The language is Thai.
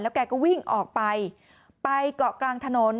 แกก็วิ่งออกไปไปเกาะกลางถนน